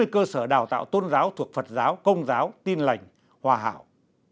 sáu mươi cơ sở đào tạo tôn giáo thuộc phật giáo công giáo tin lành hòa hảo